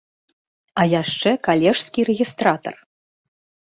А яшчэ калежскі рэгістратар!